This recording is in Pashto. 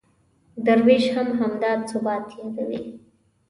درویش هم همدا ثبات یادوي.